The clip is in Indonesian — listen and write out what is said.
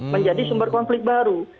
menjadi sumber konflik baru